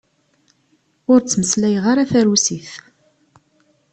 Ur ttmeslayeɣ ara tarusit.